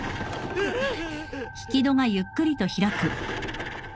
えっ？